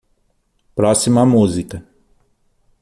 Próxima música.